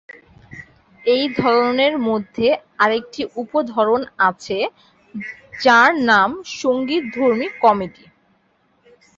এই ধরনের মধ্যে আরেকটি উপ-ধরন আছে যার নাম সঙ্গীতধর্মী কমেডি।